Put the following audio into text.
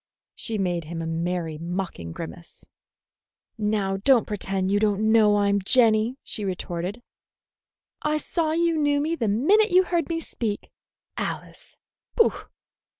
She made him a merry, mocking grimace. "Now don't pretend you don't know I'm Jenny," she retorted. "I saw you knew me the minute you heard me speak. Alice! Pooh!